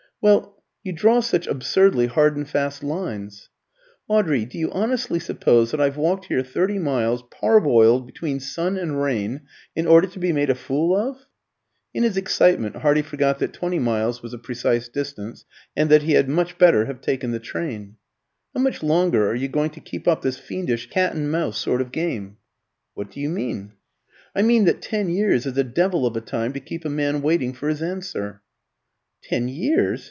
"Well you draw such absurdly hard and fast lines." "Audrey, do you honestly suppose that I've walked here thirty miles, parboiled between sun and rain, in order to be made a fool of?" (in his excitement Hardy forgot that twenty miles was the precise distance, and that he had much better have taken the train). "How much longer are you going to keep up this fiendish cat and mouse sort of game?" "What do you mean?" "I mean that ten years is a devil of a time to keep a man waiting for his answer." "Ten years?